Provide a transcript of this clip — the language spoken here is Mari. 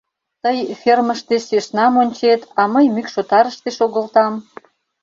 Тый фермыште сӧснам ончет, а мый мӱкш отарыште шогылтам.